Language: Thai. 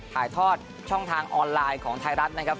ถ่ายทอดช่องทางออนไลน์ของไทยรัฐนะครับ